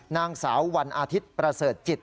นางสาววันอาทิตย์ประเสริฐจิต